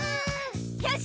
よし！